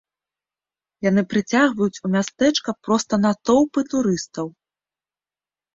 Яны прыцягваюць у мястэчка проста натоўпы турыстаў.